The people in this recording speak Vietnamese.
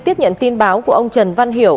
tiếp nhận tin báo của ông trần văn hiểu